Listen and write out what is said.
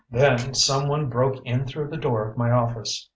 Then someone broke in through the door of my office.